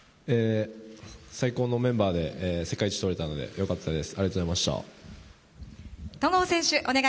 最高のメンバーで世界一をとれたのでうれしかったです。